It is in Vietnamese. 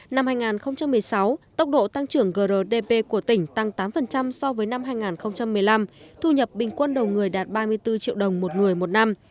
năm hai nghìn một mươi sáu tốc độ tăng trưởng grdp của tỉnh tăng tám so với năm hai nghìn một mươi năm thu nhập bình quân đầu người đạt ba mươi bốn triệu đồng một người một năm